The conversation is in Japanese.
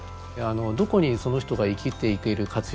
どこにその人が生きていける活用